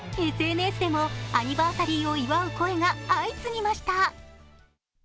ＳＮＳでもアニバーサリーを祝う声が相次ぎました。